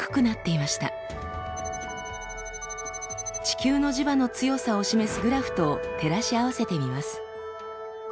地球の磁場の強さを示すグラフと照らし合わせてみます。